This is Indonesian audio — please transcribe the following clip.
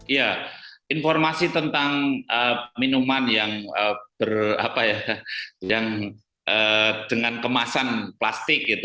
ya informasi tentang minuman yang dengan kemasan plastik gitu